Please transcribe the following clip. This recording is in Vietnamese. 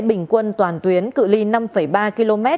bình quân toàn tuyến cự li năm ba km